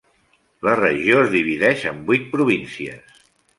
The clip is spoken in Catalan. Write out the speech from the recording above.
La regió es divideix en vuit províncies.